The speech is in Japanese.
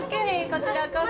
こちらこそ。